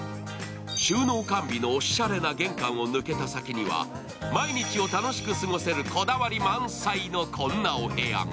収納完備のおしゃれな玄関を抜けた先には、毎日を楽しく過ごせるこだわり満載のこんなお部屋が。